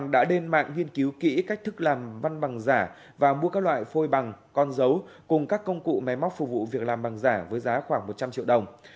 và mua các loại phôi bằng con dấu cùng các công cụ máy móc phục vụ việc làm bằng giả với giá khoảng một trăm linh triệu đồng